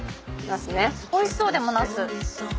おいしそうでもナス。